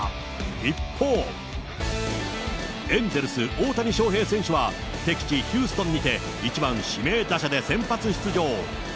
一方、エンゼルス、大谷翔平選手は敵地ヒューストンにて１番指名打者で先発出場。